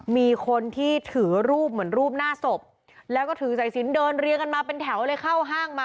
มีคนที่ถือรูปเหมือนรูปหน้าศพแล้วก็ถือสายสินเดินเรียงกันมาเป็นแถวเลยเข้าห้างมา